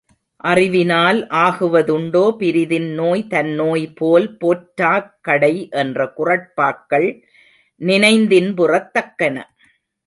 அறிவினால் ஆகுவதுண்டோ பிரிதின் நோய் தன்னோய்போல் போற்றாக் கடை என்ற குறட்பாக்கள் நினைந்தின்புறத்தக்கன.